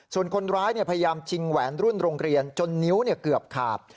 ส่วนคนร้ายพยายามชิงแหวนรุ่นโรงเรียนจนนิ้วเกือบขาด